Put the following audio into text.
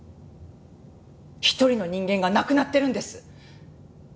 一人の人間が亡くなっているんです！